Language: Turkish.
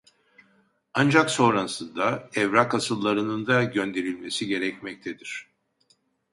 Ancak sonrasında evrak asıllarının da gönderilmesi gerekmektedir